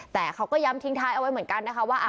แต่เขาก็ย้ำทิ้งท้ายเอาไว้เหมือนกันนะคะว่า